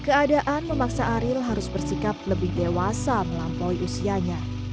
keadaan memaksa ariel harus bersikap lebih dewasa melampaui usianya